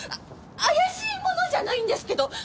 怪しい者じゃないんですけど。